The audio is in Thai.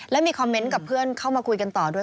และมีคอมเมนต์กับเพื่อนเข้ามาคุยกันต่อด้วย